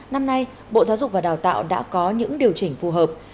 năm nay bộ giáo dục và đào tạo đã có những điều chỉnh phù hợp